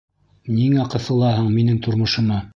Ниңә ҡыҫылаһың минең тормошома?